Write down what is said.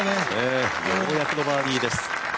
ようやくのバーディーです。